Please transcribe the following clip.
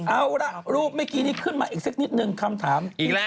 เอาล่ะรูปเมื่อกี้นี้ขึ้นมาอีกสักนิดนึงคำถามอีกแล้ว